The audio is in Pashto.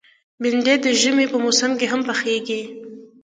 بېنډۍ د ژمي په موسم کې هم پخېږي